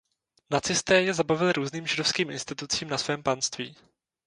Nacisté je zabavili různým židovským institucím na svém panství.